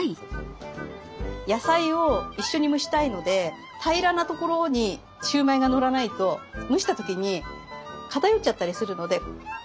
野菜を一緒に蒸したいので平らな所にシューマイがのらないと蒸した時に片寄っちゃったりするので。